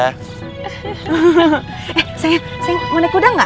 eh sayang mau naik kuda nggak